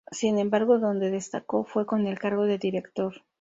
Sin embargo, donde destacó fue con el cargo de director.